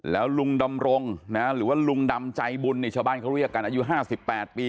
แล้วลุงดำรงหรือว่าลุงดำใจบุญนี่ชาวบ้านเขาเรียกกันอายุ๕๘ปี